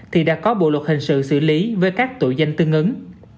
thì đã có bộ luật hình sự xử lý với các tội danh tương ứng